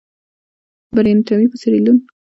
برېټانویانو په سیریلیون کې زبېښونکي بنسټونه جوړ کړل.